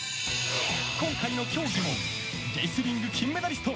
今回の競技もレスリング金メダリスト